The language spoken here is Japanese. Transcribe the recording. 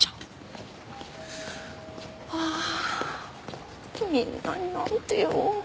はあみんなになんて言おう。